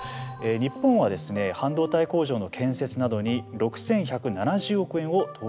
日本では半導体工場の建設などに６１７０億円を通じる方針です。